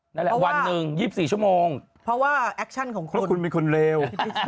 วันหนึ่งยิบสี่ชั่วโมงเพราะว่าแอคชั่นของคุณก็คูณมีคนเร็ว